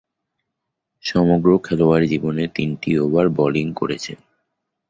সমগ্র খেলোয়াড়ী জীবনে তিনটি ওভার বোলিং করেছিলেন।